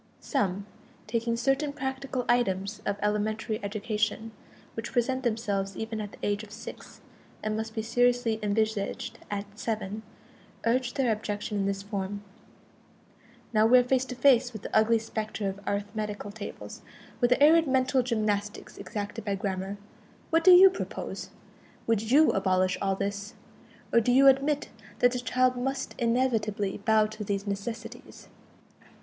Some, taking certain practical items of elementary education, which present themselves even at the age of six, and must be seriously envisaged at seven, urge their objection in this form: Now we are face to face with the ugly specter of arithmetical tables, the arid mental gymnastics exacted by grammar. What do you propose? Would you abolish all this, or do you admit that the child must inevitably bow to these necessities?